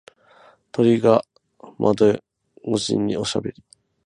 鳥が窓越しにおしゃべり。